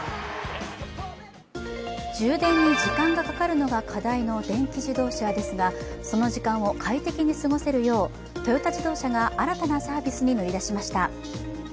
充電に時間がかかるのが課題の電気自動車ですが、その時間を快適に過ごせるよう、トヨタ自動車が新たなサービスに乗り出しました。